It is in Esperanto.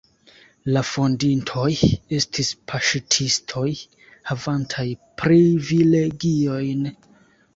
La fondintoj estis paŝtistoj havantaj privilegiojn.